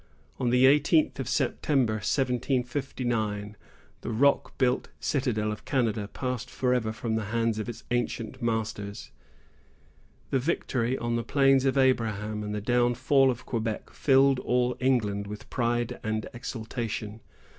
On the eighteenth of September, 1759, the rock built citadel of Canada passed forever from the hands of its ancient masters. The victory on the Plains of Abraham and the downfall of Quebec filled all England with pride and exultation.